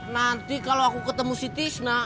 nanti kalo aku ketemu si tisna